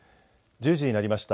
１０時になりました。